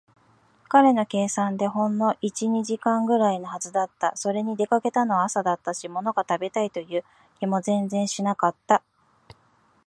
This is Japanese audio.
彼の計算ではほんの一、二時間ぐらいのはずだった。それに、出かけたのは朝だったし、ものが食べたいという気も全然しなかった。